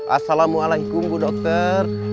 assalamualaikum bu dokter